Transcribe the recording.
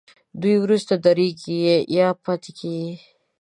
دوی وروسته درېږي یا پاتې کیږي.